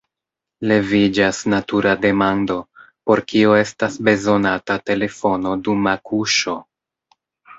Leviĝas natura demando: por kio estas bezonata telefono dum akuŝo?